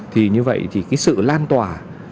thì như vậy thì sự lan tỏa